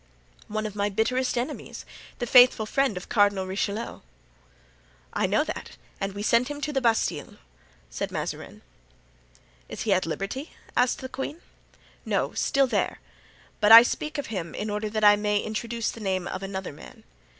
"One of my bitterest enemies—the faithful friend of Cardinal Richelieu." "I know that, and we sent him to the Bastile," said Mazarin. "Is he at liberty?" asked the queen. "No; still there, but I only speak of him in order that I may introduce the name of another man.